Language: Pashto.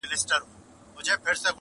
o هغو زموږ په مټو یووړ تر منزله,